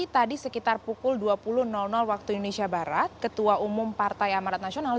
tadi sekitar pukul dua puluh waktu indonesia barat ketua umum partai amarat nasional